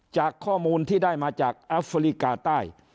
จากข้อมูลที่ได้มาจากแอฟริกาใต้